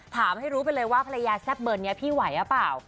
ถามให้รู้ไปเลยว่าภรรยาแซ่บเบอร์นี้พี่ไหวหรือเปล่า